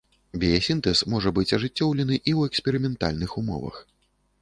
Біясінтэз можа быць ажыццёўлены і ў эксперыментальных умовах.